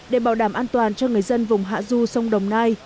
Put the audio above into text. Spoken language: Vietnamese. để bảo đảm an toàn cho người dân vùng hạ du sông đồng nai